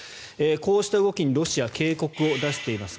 こうした動きにロシアは警告を出しています。